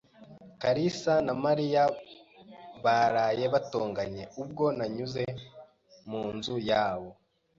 kalisa na Mariya baraye batonganye ubwo nanyuze munzu yabo.